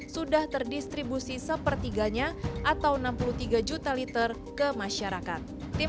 sudah terdistribusi sepertiganya atau enam puluh tiga juta liter ke masyarakat